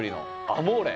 「アモーレ」